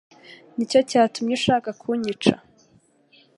Nicyo cyatumye ushaka kunyica?